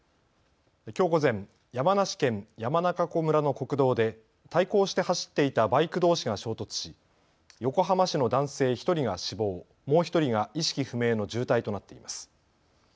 きょう午前、山梨県山中湖村の国道で対向して走っていたバイクどうしが衝突し横浜市の男性１人が死亡、もう１人が意識不明の重体となっています。